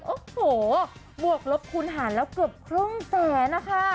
โอ้โหบวกลบคูณหารแล้วเกือบครึ่งแสนนะคะ